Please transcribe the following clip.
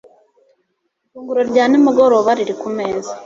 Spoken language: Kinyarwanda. ifunguro rya nimugoroba riri kumeza